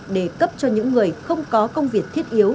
để cấp cho những người không có công việc thiết yếu